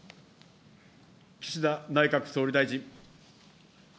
岸田内閣総理大臣。